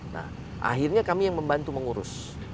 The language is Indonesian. nah akhirnya kami yang membantu mengurus